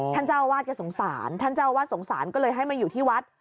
เจ้าอาวาสแกสงสารท่านเจ้าอาวาสสงสารก็เลยให้มาอยู่ที่วัด